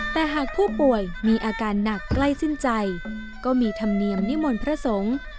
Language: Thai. แต่หากผู้ป่วยมีอาการหนักใกล้สิ้นใจก็มีธรรมเนียมนิมนต์พระสงฆ์